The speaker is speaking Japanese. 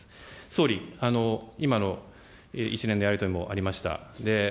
総理、今の一連のやり取りもありました。